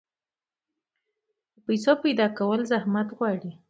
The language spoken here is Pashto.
د پیسو پیدا کول زحمت غواړي.